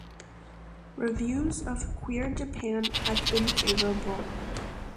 Reviews of "Queer Japan" have been favorable.